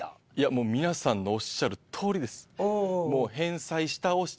もう皆さんのおっしゃるとおりです。